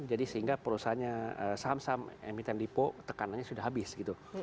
jadi sehingga perusahaannya saham saham emiten lipo tekanannya sudah habis gitu